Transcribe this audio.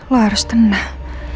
lo harus tenang